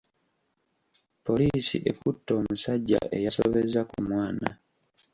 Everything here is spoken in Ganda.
Poliisi ekutte omusajja eyasobezza ku mwana.